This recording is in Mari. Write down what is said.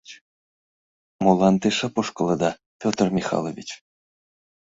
— Молан те шып ошкылыда, Петр Михайлович?